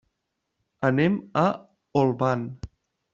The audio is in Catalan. Anem a Olvan.